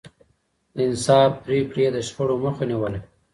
د انصاف پرېکړې يې د شخړو مخه نيوله.